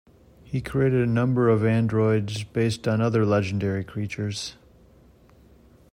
He created a number of androids based on other legendary creatures.